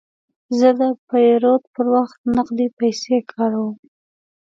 زه د پیرود پر وخت نغدې پیسې کاروم.